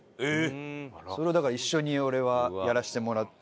それをだから一緒に俺はやらせてもらって。